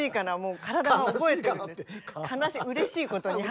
うれしいことに。